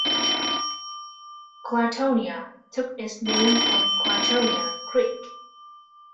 Clatonia took its name from Clatonia Creek.